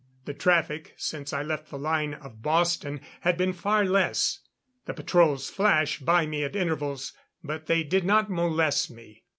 The traffic, since I left the line of Boston, had been far less. The patrols flashed by me at intervals, but they did not molest me.